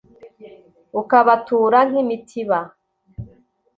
ukabatura nk’imitiba,